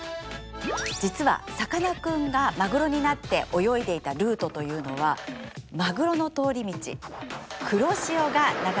実はさかなクンがマグロになって泳いでいたルートというのはマグロの通り道黒潮が流れている場所なんです。